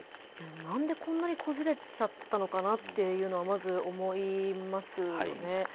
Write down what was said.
何でこんなにこじれちゃったのかなとまず思いますよね。